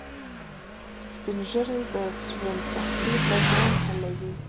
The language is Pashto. سپین ږیری د ژوند سختۍ په زغم حلوي